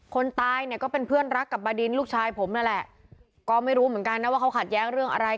คนตายเนี่ยก็เป็นเพื่อนรักกับบดินลูกชายผมนั่นแหละก็ไม่รู้เหมือนกันนะว่าเขาขัดแย้งเรื่องอะไร